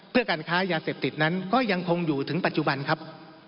เพื่อการค้ายาเสพติดนั้นก็ยังคงอยู่ถึงปัจจุบันครับ